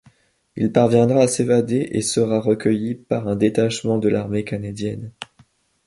Il parviendra à s'évader et sera recueilli par un détachement de l'armée canadienne.